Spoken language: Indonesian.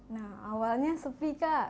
nah awalnya sepi kak